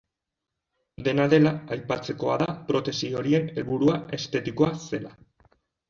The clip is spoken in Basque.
Dena dela, aipatzekoa da protesi horien helburua estetikoa zela.